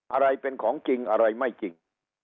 อะไรเป็นของจริงอะไรไม่จริง